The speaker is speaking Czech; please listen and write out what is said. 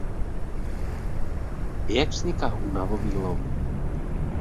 Jak vzniká únavový lom?